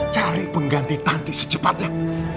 cari pengganti tanti secepatnya